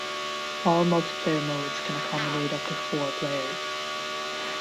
All multiplayer modes can accommodate up to four players.